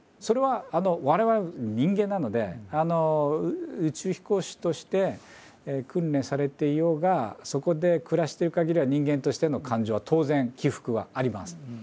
それは我々人間なので宇宙飛行士として訓練されていようがそこで暮らしているかぎりは人間としての感情は当然起伏はあります。